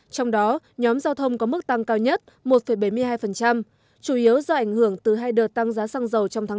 trong đó nhóm giao thông có mức tăng cao nhất một bảy mươi hai chủ yếu do ảnh hưởng từ hai đợt tăng giá xăng dầu trong tháng bốn